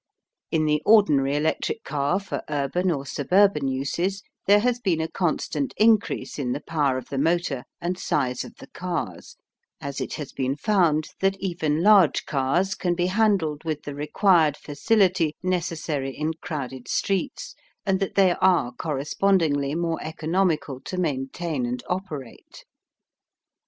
In the ordinary electric car for urban or suburban uses there has been a constant increase in the power of the motor and size of the cars, as it has been found that even large cars can be handled with the required facility necessary in crowded streets and that they are correspondingly more economical to maintain and operate.